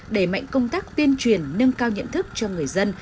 đẩy mạnh công tác tuyên truyền nâng cao nhận thức cho người dân